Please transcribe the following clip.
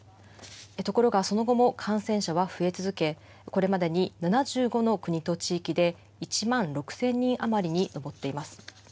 ところがその後も感染者は増え続け、これまでに７５の国と地域で１万６０００人余りに上っています。